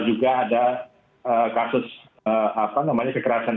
juga ada kasus apa namanya kekerasan